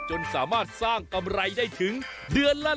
จนสามารถสร้างกำไรได้ถึงเดือนอายาทิตย์